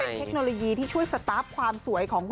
เป็นเทคโนโลยีที่ช่วยสตาปความสวยของ